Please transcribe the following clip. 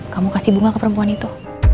kamu kasih bunga ke perempuan itu